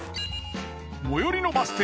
最寄りのバス停